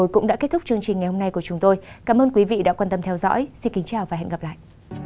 cảm ơn các bạn đã theo dõi và hẹn gặp lại